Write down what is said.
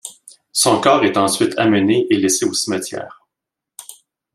Son corps est ensuite amené et laissé au cimetière.